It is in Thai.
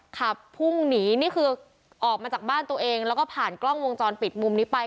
ขับพุ่งหนีนี่คือออกมาจากบ้านตัวเองแล้วก็ผ่านกล้องวงจรปิดมุมนี้ไป